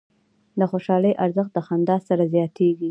د خوشحالۍ ارزښت د خندا سره زیاتېږي.